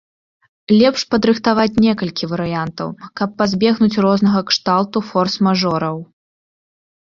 Лепш падрыхтаваць некалькі варыянтаў, каб пазбегнуць рознага кшталту форс-мажораў.